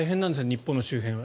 日本の周辺は。